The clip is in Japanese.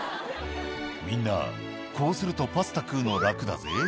「みんなこうするとパスタ食うの楽だぜ」